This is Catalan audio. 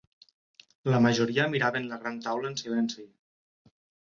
La majoria miraven la gran taula en silenci.